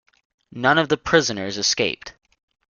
None of the prisoners escaped.